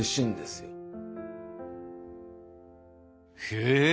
へえ！